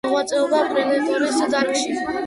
მოღვაწეობდა პეტროლოგიის დარგში.